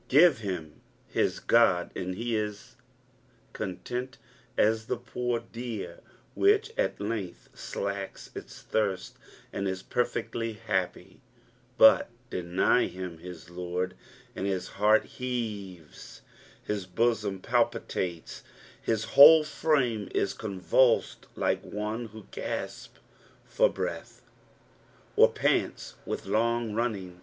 Give him his God and he is as content sa the poor deer which at length alakea its thirst and is perfectly ha[ipy ; but deny him his Lord, and his heart heavea, hia bosom palpitnles, his whole frame is convulsed, like one who gasps for breath, or pants with long running.